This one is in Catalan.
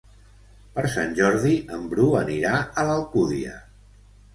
Per Sant Jordi en Bru anirà a l'Alcúdia.